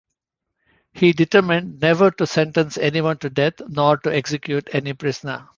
He determined never to sentence anyone to death nor to execute any prisoner.